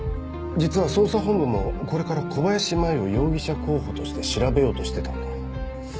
実は捜査本部もこれから小林舞衣を容疑者候補として調べようとしてたんだ。